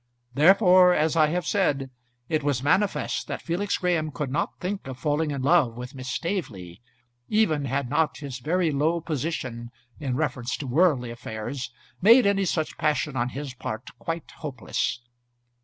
Therefore, as I have said, it was manifest that Felix Graham could not think of falling in love with Miss Staveley, even had not his very low position, in reference to worldly affairs, made any such passion on his part quite hopeless.